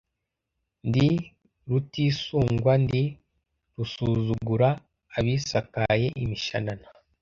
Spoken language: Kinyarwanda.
Ndi Rutisungwa ndi rusuzugura abisakaye imishanana